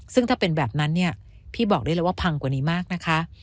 ซึ่งถ้าเป็นแบบนั้นเนี่ยพี่บอกได้เลยว่าพังกว่านี้มากนะคะ